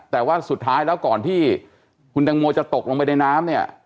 แต่ว่าสุดท้ายแล้วก่อนที่คุณตังโมจะตกลงไปในน้ำเนี่ย